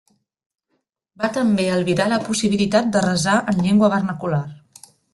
Va també albirar la possibilitat de resar en llengua vernacular.